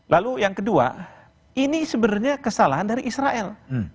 lalu yang kedua ini sebenarnya kesalahan dari israel